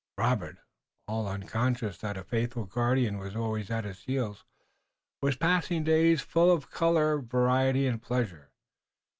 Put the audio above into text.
Robert, all unconscious that a faithful guardian was always at his heels, was passing days full of color, variety and pleasure.